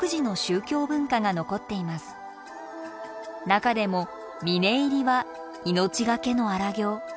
中でも峯入りは命がけの荒行。